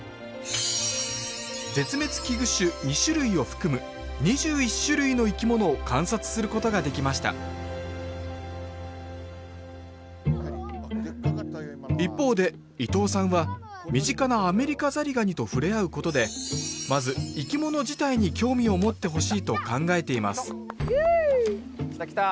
絶滅危惧種２種類を含む２１種類の生き物を観察することができました一方で伊藤さんは身近なアメリカザリガニと触れ合うことでまず生き物自体に興味を持ってほしいと考えていますイエイ！